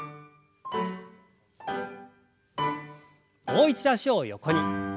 もう一度脚を横に。